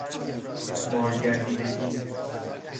مار گزیدگی